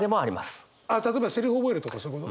例えばセリフ覚えるとかそういうこと？